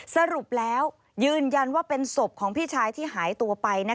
สรุปแล้วยืนยันว่าเป็นศพของพี่ชายที่หายตัวไป